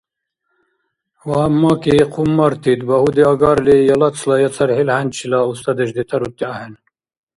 Вааммаки хъуммартид, багьуди агарли, я лацла я цархӀил хӀянчила устадеш детарути ахӀен.